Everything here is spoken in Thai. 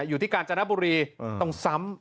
อยู่ที่กาญจนบุรีต้องซ้ำ